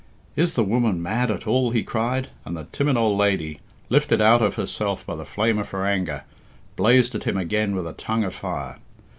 "Is the woman mad at all?" he cried; and the timid old lady, lifted out of herself by the flame of her anger, blazed at him again with a tongue of fire.